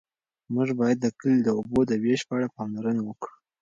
موږ باید د کلي د اوبو د وېش په اړه پاملرنه وکړو.